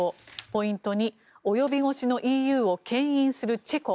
ポイント２及び腰のＥＵをけん引するチェコ。